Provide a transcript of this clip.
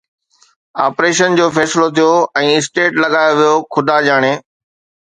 operation جو فيصلو ٿيو ۽ اسٽينٽ لڳايو ويو، خدا ڄاڻي